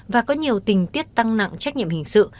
và có nhiều tình tiết tăng nặng trách nhiệm hình sự